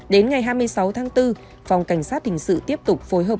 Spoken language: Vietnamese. đến ngày hai mươi sáu tháng bốn phòng cảnh sát hình sự tiếp tục phối hợp